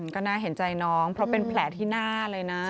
ก็น่าเห็นใจน้องเพราะเป็นแผลที่หน้าเลยนะ